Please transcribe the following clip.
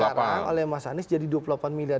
sekarang oleh mas anies jadi dua puluh delapan miliar